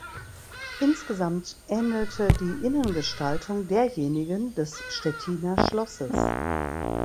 Insgesamt ähnelte die Innengestaltung derjenigen des Stettiner Schlosses.